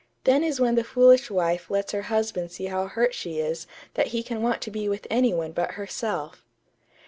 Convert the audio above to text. Then is when the foolish wife lets her husband see how hurt she is that he can want to be with any one but herself....